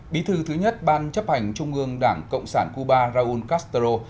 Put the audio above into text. bí thư thứ nhất ban chấp hành trung ương đảng cộng sản cuba raúl castro